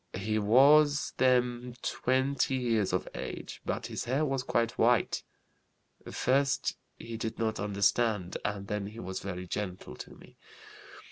He was them 20 years of age, but his hair was quite white. First he did not understand, and then he was very gentle to me.